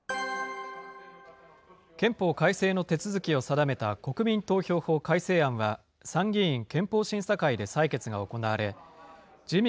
憲法改正の手続きを定めた国民投票法改正案は、参議院憲法審査会で採決が行われ、自民、